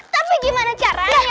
tapi gimana caranya